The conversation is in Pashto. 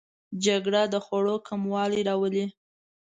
جګړه د خوړو کمی راولي